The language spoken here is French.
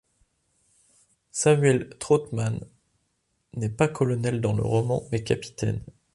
Samuel Trautman n'est pas colonel dans le roman, mais capitaine.